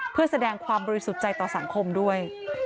เพื่อแสดงความบริสุทธิ์ใจต่อสังคมด้วย